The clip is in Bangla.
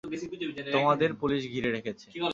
তোমাদের পুলিশ ঘিরে রেখেছে!